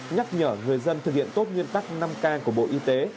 nhắc nhở người dân thực hiện tốt nguyên tắc năm k của bộ y tế